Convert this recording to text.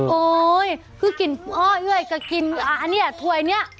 โอ๊ยคือกินอ้อเอ้ยก็กินอันนี้ถ้วยนี้